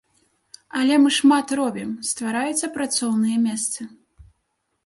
Але мы шмат робім, ствараюцца працоўныя месцы.